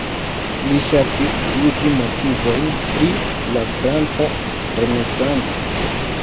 Li ŝatis uzi motivojn pri la franca renesanco.